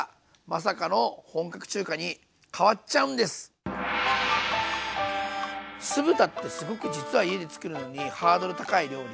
このね酢豚ってすごく実は家でつくるのにハードル高い料理で。